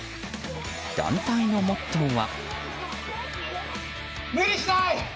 団体のモットーは。